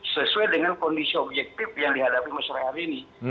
sesuai dengan kondisi objektif yang dihadapi masyarakat hari ini